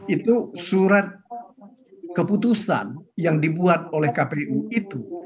itu surat keputusan yang dibuat oleh kpu itu